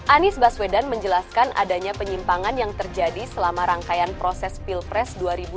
anies baswedan menjelaskan adanya penyimpangan yang terjadi selama rangkaian proses pilpres dua ribu dua puluh